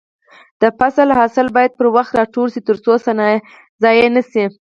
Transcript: د فصل حاصل باید پر وخت راټول شي ترڅو ضايع نشي.